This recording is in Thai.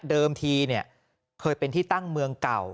เดิมทีเคยเป็นที่ตั้งเมืองเก่า